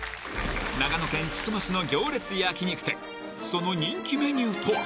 長野県千曲市の行列焼肉店その人気メニューとは？